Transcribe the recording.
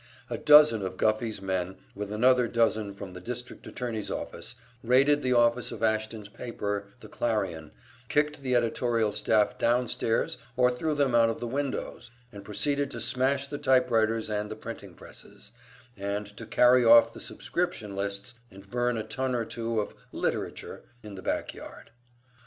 A dozen of Guffey's men, with another dozen from the District Attorney's office, raided the office of Ashton's paper, the "Clarion," kicked the editorial staff downstairs or threw them out of the windows, and proceeded to smash the typewriters and the printing presses, and to carry off the subscription lists and burn a ton or two of "literature" in the back yard.